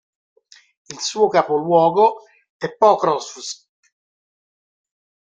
Il suo capoluogo è Pokrovs'k.